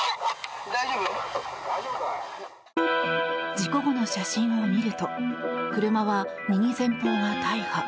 事故後の写真を見ると車は右前方が大破。